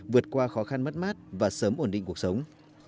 vượt qua khó khăn mất mát và sớm ổn định cuộc sống